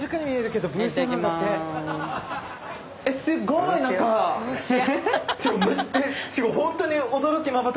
すっごい！